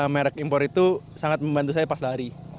merek impor itu sangat membantu saya pas hari